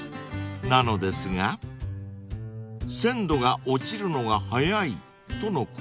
［なのですが鮮度が落ちるのが早いとのこと］